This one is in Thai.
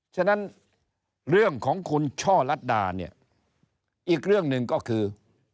ฉะนั้นเรื่องของคุณช่อลัดดาเนี่ยอีกเรื่องหนึ่งก็คือ